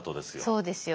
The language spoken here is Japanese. そうですよ。